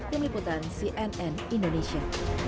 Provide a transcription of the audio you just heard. pengiputan cnn indonesia